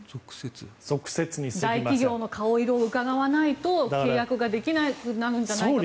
大企業の顔色をうかがわないと契約ができなくなるんじゃないかと。